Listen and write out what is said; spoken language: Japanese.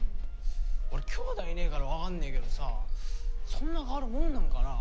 俺兄妹いねえからわかんねえけどさそんな変わるもんなのかな？